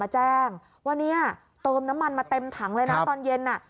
มาแจ้งว่าเนี้ยเติมน้ำมันมาเต็มถังเลยน่ะครับตอนเย็นอ่ะ